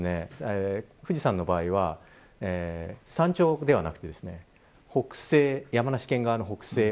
富士山の場合は山頂ではなくて山梨県側の北西。